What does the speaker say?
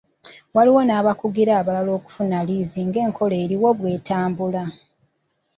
Waliwo n’abakugira abalala okufuna liizi ng’enkola eriwo bw’etambula.